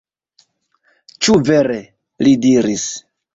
Ĉu vere? li diris.